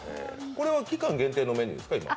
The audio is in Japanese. これは期間限定のメニューですか？